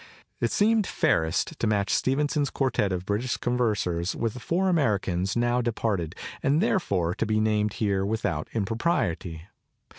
It seemed fairest to match Stevenson's quartet 160 CONCERNING CONVERSATION of British conversers with four Americans now departed and therefore to be named here with out impropriety.